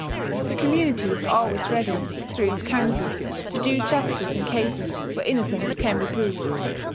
The community is always ready, through its council, to do justice in cases where innocence can be proved.